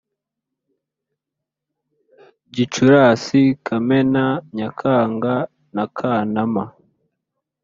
gicurasi, kamena, nyakanga na kanama